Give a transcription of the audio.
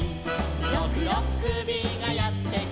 「ろくろっくびがやってきた」